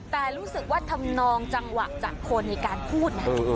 แต่รู้สึกว่าทำนองจังหวะจากคนในการพูดนะ